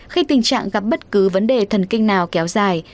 khi tình trạng gặp bất cứ vấn đề thần kinh nào kéo dài